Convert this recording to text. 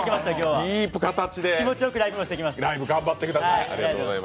気持ちよくライブしてきます。